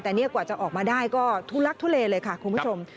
แต่นี่กว่าจะออกมาได้ก็ทุลักทุเลเลยค่ะคุณผู้ชม